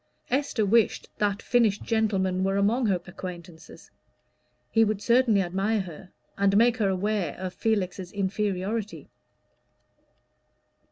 Esther wished that finished gentleman were among her acquaintances: he would certainly admire her, and make her aware of Felix's inferiority.